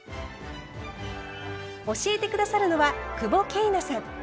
教えて下さるのは久保桂奈さん。